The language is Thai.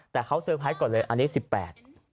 แต่เขาเซอร์ไพรส์ก่อนเลยอันนี้สิบแปด